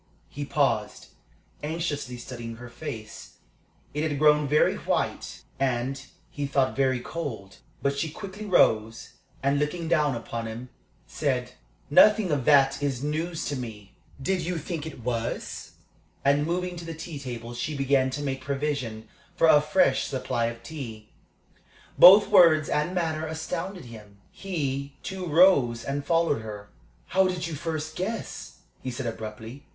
He paused, anxiously studying her face. It had grown very white, and, he thought, very cold. But she quickly rose, and, looking down upon him, said: "Nothing of that is news to me. Did you think it was?" And moving to the tea table, she began to make provision for a fresh supply of tea. Both words and manner astounded him. He, too, rose and followed her. "How did you first guess?" he said, abruptly.